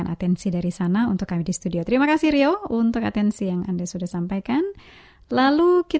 hanya dia satu satunya ala sungguh baik